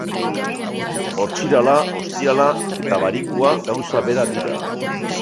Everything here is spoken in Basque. Ortzirala, ostirala eta barikua gauza bera dira.